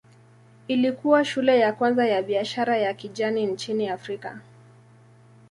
Ilikuwa shule ya kwanza ya biashara ya kijani nchini Afrika.